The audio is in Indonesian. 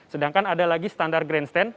sedangkan ada lagi standar grandstand